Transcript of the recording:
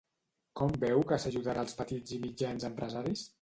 Com veu que s'ajudarà als petits i mitjans empresaris?